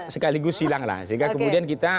sekaligus silang lah sehingga kemudian kita